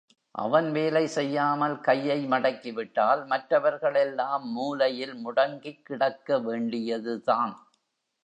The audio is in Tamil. அவன் வேலை செய்யாமல் கையை மடக்கிவிட்டால் மற்றவர்கள் எல்லாம் மூலையில் முடங்கிக் கிடக்க வேண்டியதுதான்.